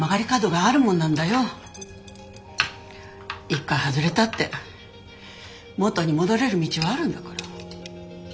一回外れたって元に戻れる道はあるんだから。